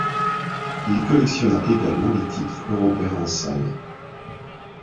Il collectionna également les titres européens en salle.